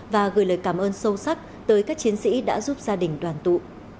và gửi lời cảm ơn sâu sắc tới các chiến sĩ đã giúp gia đình đoàn tụ